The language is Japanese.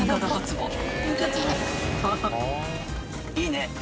いいね。